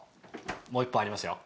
もう一本ありますよ